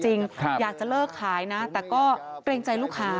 รังไว้ไม่อยู่จริงอยากจะเลิกขายนะแต่ก็เกรงใจลูกค้า